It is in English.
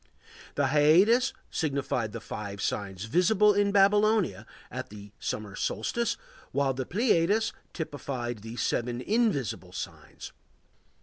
The Hyades signified the five signs visible in Babylonia at the summer solstice, while the Pleiades typified the seven invisible signs.